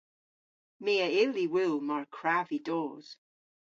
My a yll y wul mar kwrav vy dos.